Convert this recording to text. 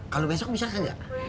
kalau besok bisa ke gak